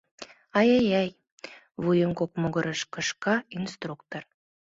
— Ай-яй-яй... — вуйым кок могырыш кышка инструктор.